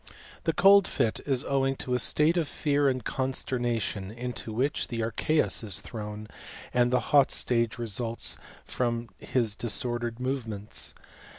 The i fit is owing to a state of fear and consternation,! which the archeus is thrown, and the hot stage i«fl from his disordered movements.